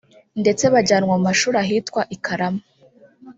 ndetse bajyanwa mu mashuri ahitwa i Karama